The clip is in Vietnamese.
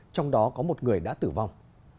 trong đó có một người đã tử vong